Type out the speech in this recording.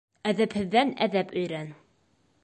Әҙәпһеҙҙән әҙәп өйрән.